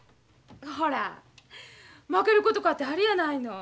ほら負けることかてあるやないの。